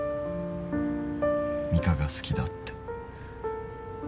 ミカが好きだって。